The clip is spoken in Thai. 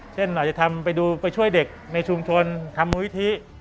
เช่นเราจะไปช่วยเด็กในชุมชนทำวิธี